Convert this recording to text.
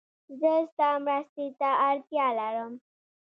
زه ستا مرستې ته اړتیا لرم